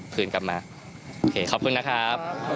คืนกลับมาโอเคขอบคุณนะครับ